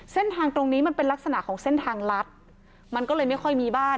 เส้นทางตรงนี้มันเป็นลักษณะของเส้นทางลัดมันก็เลยไม่ค่อยมีบ้าน